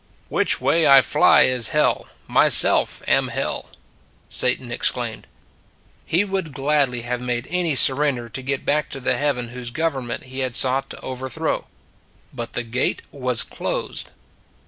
"Which way I fly is Hell; myself am Hell," Satan exclaimed. He would gladly have made any surrender to get back to the Heaven whose government he had sought to overthrow. But the gate was closed.